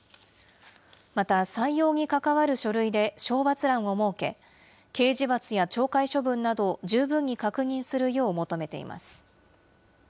また、採用に関わる書類で賞罰欄を設け、刑事罰や懲戒処分などを十分に確認するよう求めています。